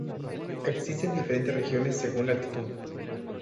Existen diferentes regiones según la altitud.